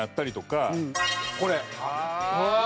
これ。